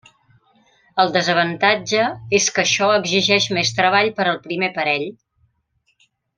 El desavantatge és que això exigeix més treball per al primer parell.